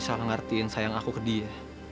kenapa opi salah ngertiin sayang aku ke dia